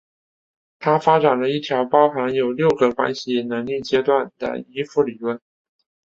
他发展了一种包含有六个关系能力阶段的依附理论。